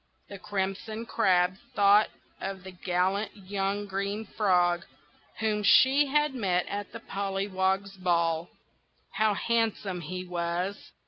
The Crimson Crab thought of the gallant young Green Frog, whom she had met at the Pollywogs' Ball. How handsome he was!